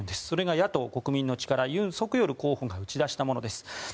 それが野党・国民の力ユン・ソクヨル候補が打ち出したものです。